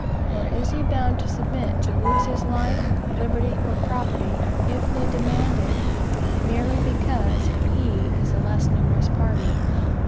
Or is he bound to submit to lose his life, liberty, or property, if they demand it, merely because he is the less numerous party?